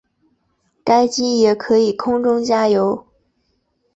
该机也可以空中加油。